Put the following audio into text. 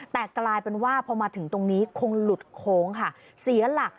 แต่กลายเป็นว่าพอมาถึงตรงนี้คงหลุดโค้งค่ะเสียหลัก